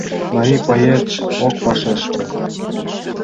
Марий поэт ок вашеште.